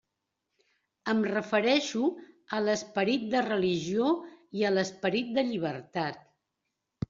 Em refereixo a l'esperit de religió i a l'esperit de llibertat.